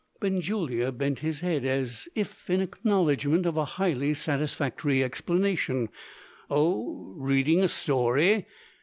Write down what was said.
Benjulia bent his head, as if in acknowledgment of a highly satisfactory explanation. "Oh? reading a story?